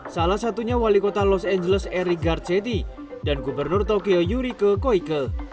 salah satunya wali kota los angeles eric garcetti dan gubernur tokyo yuriko koike